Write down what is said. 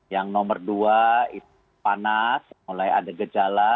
yang nomor dua itu panas mulai ada gejala